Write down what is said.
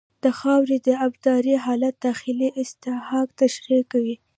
د خاورې د ابدارۍ حالت داخلي اصطکاک تشریح کوي